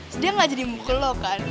sedang aja di muka lo kan